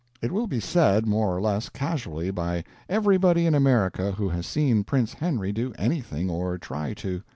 It will be said, more or less causally, by everybody in America who has seen Prince Henry do anything, or try to.